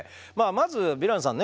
まずヴィランさんね